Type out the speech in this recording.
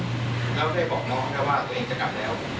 แล้วได้บอกน้องแล้วว่าตัวเองจะกลับแล้ว